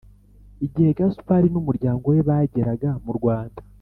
igihe Gaspard n umuryango we bageraga mu Rwanda